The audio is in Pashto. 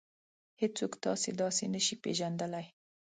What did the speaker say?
هېڅوک تاسې داسې نشي پېژندلی.